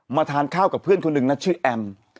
ทานข้าวกับเพื่อนคนหนึ่งนะชื่อแอม